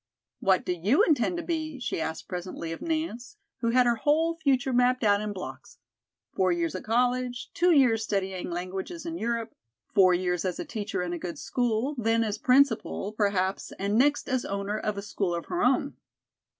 "What do you intend to be?" she asked presently of Nance, who had her whole future mapped out in blocks: four years at college, two years studying languages in Europe, four years as teacher in a good school, then as principal, perhaps, and next as owner of a school of her own.